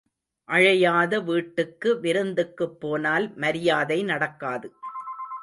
அழையாத வீட்டுக்கு விருந்துக்குப் போனால் மரியாதை நடக்காது.